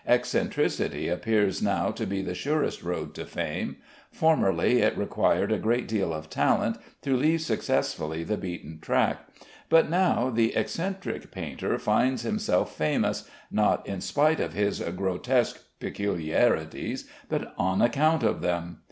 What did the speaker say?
Eccentricity appears now to be the surest road to fame. Formerly it required a great deal of talent to leave successfully the beaten track, but now the eccentric painter finds himself famous, not in spite of his grotesque peculiarities, but on account of them.